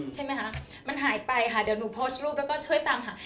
ใช่ไหมคะมันหายไปค่ะเดี๋ยวหนูโพสต์รูปแล้วก็ช่วยตามหา